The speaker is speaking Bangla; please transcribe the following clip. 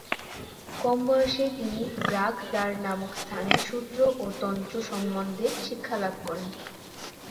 কম বয়সে তিনি ব্রাগ-দ্বার নামক স্থানে সূত্র ও তন্ত্র সম্বন্ধে শিক্ষালাভ করেন।